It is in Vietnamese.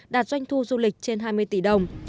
đạt doanh thu du lịch trên hai mươi tỷ đồng